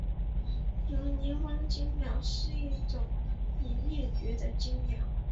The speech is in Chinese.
留尼旺椋鸟是一种已灭绝的椋鸟。